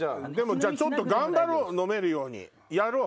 ちょっと頑張ろう飲めるようにやろう。